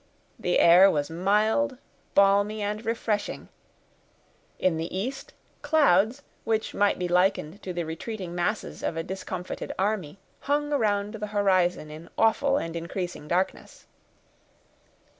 The air was mild, balmy, and refreshing; in the east, clouds, which might be likened to the retreating masses of a discomfited army, hung around the horizon in awful and increasing darkness.